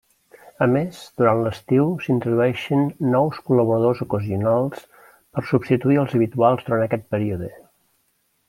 A més, durant l'estiu s'introdueixen nous col·laboradors ocasionals per substituir als habituals durant aquest període.